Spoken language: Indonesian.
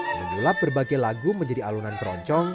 menyulap berbagai lagu menjadi alunan keroncong